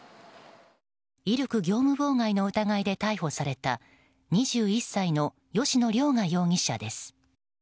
威力業務妨害の疑いで逮捕された２１歳の吉野凌雅容疑者です。